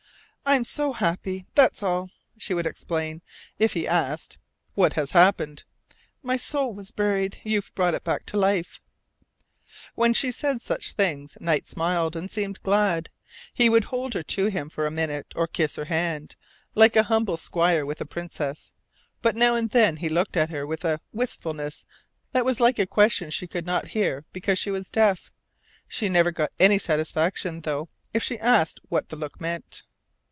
"I'm so happy; that's all," she would explain, if he asked "What has happened?" "My soul was buried. You've brought it back to life." When she said such things Knight smiled, and seemed glad. He would hold her to him for a minute, or kiss her hand, like an humble squire with a princess. But now and then he looked at her with a wistfulness that was like a question she could not hear because she was deaf. She never got any satisfaction, though, if she asked what the look meant.